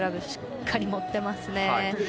しっかり持っていますね。